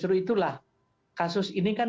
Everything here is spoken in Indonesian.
justru itulah kasus ini kan